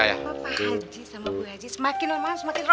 bapak haji sama bu haji semakin romantis nih ya